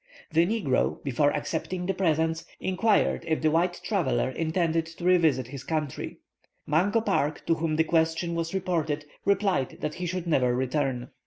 The negro, before accepting the presents, enquired if the white traveller intended to revisit his country. Mungo Park, to whom the question was reported, replied that he should never return."